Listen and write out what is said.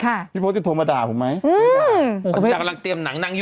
อาธิใจทำไมคุณพี่